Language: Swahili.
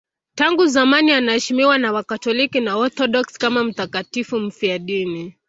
Tangu zamani anaheshimiwa na Wakatoliki na Waorthodoksi kama mtakatifu mfiadini.